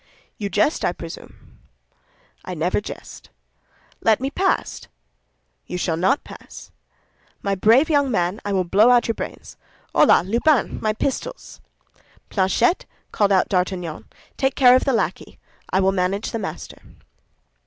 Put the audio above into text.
"You jest, I presume." "I never jest." "Let me pass!" "You shall not pass." "My brave young man, I will blow out your brains. Hola, Lubin, my pistols!" "Planchet," called out D'Artagnan, "take care of the lackey; I will manage the master."